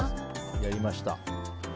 やりました。